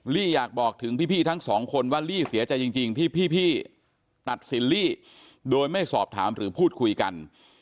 ลี่อยากบอกถึงพี่ทั้งสองคนว่าลี่เสียใจจริงที่พี่ตัดสินลี่โดยไม่สอบถามหรือพูดคุยกัน